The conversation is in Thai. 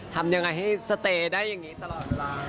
ทำยังไงให้สเตย์ได้อย่างนี้ตลอดเวลา